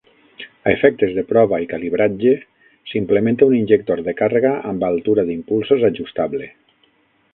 A efectes de prova i calibratge, s'implementa un injector de càrrega amb altura d'impulsos ajustable.